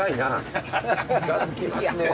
近づきますね。